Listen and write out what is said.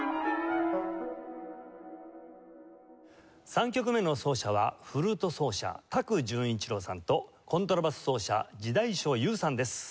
３曲目の奏者はフルート奏者多久潤一朗さんとコントラバス奏者地代所悠さんです。